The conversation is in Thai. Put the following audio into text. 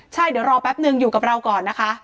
ใช่เดี๋ยวรอแป๊บนึงอยู่กับเราก่อนนะคะ